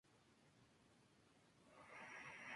Parecen monos de hoja.